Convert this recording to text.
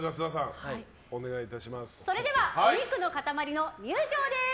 それではお肉の塊の場です！